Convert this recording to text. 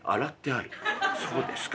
そうですか。